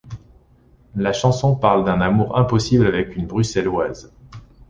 La chanson parle d'un amour impossible avec une Bruxelloise.